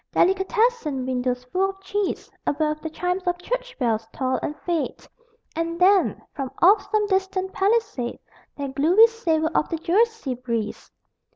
Delicatessen windows full of cheese Above, the chimes of church bells toll and fade And then, from off some distant Palisade That gluey savor on the Jersey breeze!